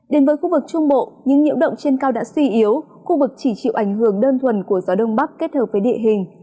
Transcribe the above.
đến với khu vực trung bộ những nhiễu động trên cao đã suy yếu khu vực chỉ chịu ảnh hưởng đơn thuần của gió đông bắc kết hợp với địa hình